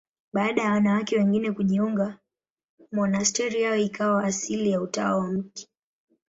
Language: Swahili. Baada ya wanawake wengine kujiunga, monasteri yao ikawa asili ya Utawa wa Mt.